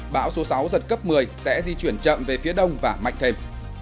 bão số sáu giật cấp một mươi sẽ di chuyển chậm về phía đông và mạnh thêm